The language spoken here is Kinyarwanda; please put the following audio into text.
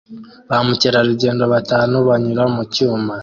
Ba mukerarugendo batanu banyura mu cyuma